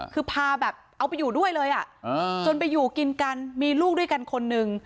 คือพาแบบเอาไปอยู่ด้วยเลยจนไปอยู่กินกันมีลูกด้วยกันคนนึง